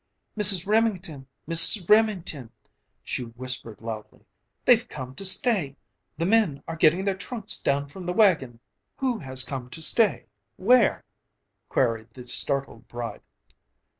"Mrs. Remington! Mrs. Remington!" she whispered loudly. "They've come to stay. The men are getting their trunks down from the wagon." "Who has come to stay? Where?" queried the startled bride.